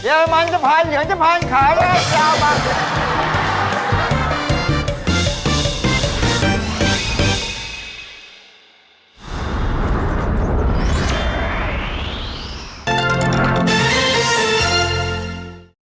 โอ้โฮ